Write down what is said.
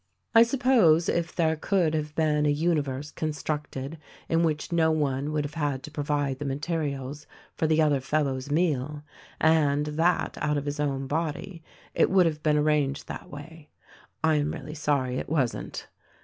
I suppose if there could have been a universe constructed in which no one would have had to provide the materials for the other fel low's meal — and that out of his own body — it would have been arranged that way. I am really sorry it wasn't.